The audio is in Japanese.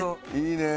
いいね！